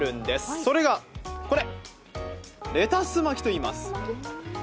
それがこれ、レタス巻きといいます